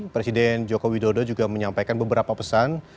presiden jokowi dodo juga menyampaikan beberapa pesan